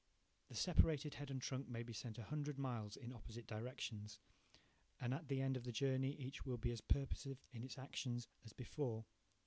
The separated head and trunk may be sent a hundred miles in opposite directions, and at the end of the journey each will be as purposive in its actions as before.